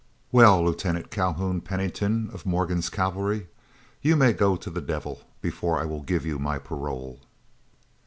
"Well, Lieutenant Calhoun Pennington of Morgan's cavalry, you may go to the devil, before I will give you my parole."